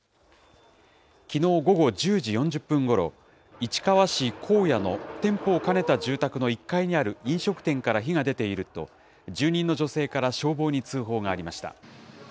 きのう午後１０時４０分ごろ、市川市高谷の店舗を兼ねた住宅の１階にある飲食店から火が出ていると、住人の女性から消防に通報がありました。